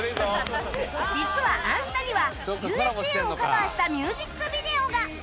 実は『あんスタ』には『Ｕ．Ｓ．Ａ．』をカバーしたミュージックビデオが